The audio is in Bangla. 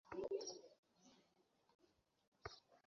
না জানি আরও কতকিছু আমার অজানা ছিল?